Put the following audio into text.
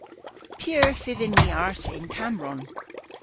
P'eur fydhyn ni arta yn Kammbronn?